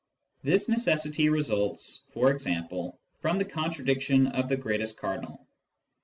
This necessity results, for example, from the " contradiction of the greatest cardinal."